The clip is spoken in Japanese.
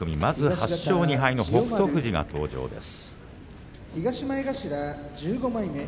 ８勝２敗の北勝富士の登場です。